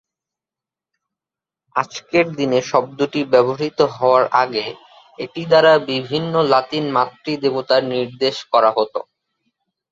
আজকের দিনে শব্দটি ব্যবহৃত হওয়ার আগে, এটি দ্বারা বিভিন্ন লাতিন মাতৃ দেবতাদের নির্দেশ করা হতো।